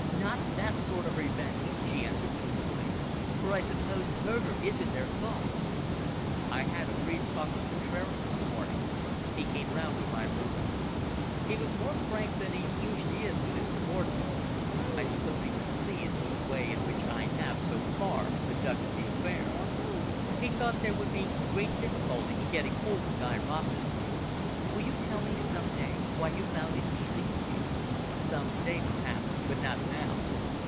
"Not that sort of revenge," she answered truthfully. "For I suppose murder is in their thoughts." "I had a brief talk with Contraras this morning; he came round to my rooms. He was more frank than he usually is with his subordinates. I suppose he was pleased with the way in which I have, so far, conducted the affair. He thought there would be great difficulty in getting hold of Guy Rossett." "Will you tell me, some day, why you found it easy?" "Some day, perhaps; but not now.